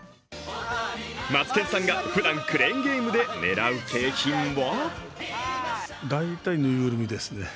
マツケンさんがふだんクレーンゲームで狙う景品は？